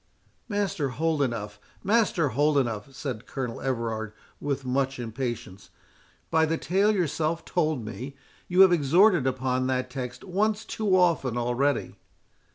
"Master Holdenough, Master Holdenough," said Colonel Everard, with much impatience, "by the tale yourself told me, you have exhorted upon that text once too often already."